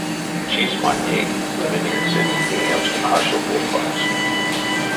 Чись маней, менельсэнть неявсть ашо пель панкскеть.